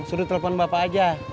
sudah telepon bapak aja